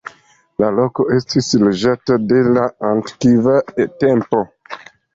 La loko estis loĝata de la antikva tempo.